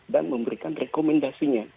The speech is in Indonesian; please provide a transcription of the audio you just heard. dan memberikan rekomendasinya